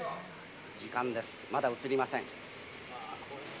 時間です、まだ映りません。